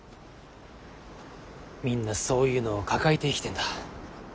みんなそういうのを抱えて生きてんだ。